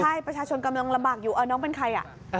ใช่ประชาชนกำลังลำบากอยู่น้องเป็นใคร